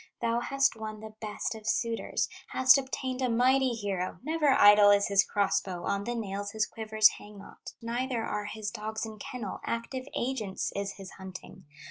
Thou hast won the best of suitors, Hast obtained a mighty hero; Never idle is his cross bow, On the nails his quivers hang not, Neither are his dogs in kennel, Active agents is his hunting.